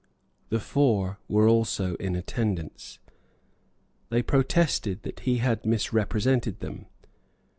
The four were also in attendance. They protested that he had misrepresented them.